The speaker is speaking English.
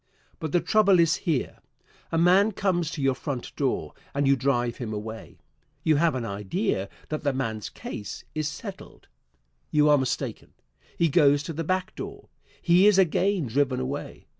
But the trouble is here: A man comes to your front door and you drive him away. You have an idea that that man's case is settled. You are mistaken. He goes to the back door. He is again driven away.